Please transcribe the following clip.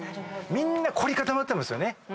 みんな凝り固まってますよね。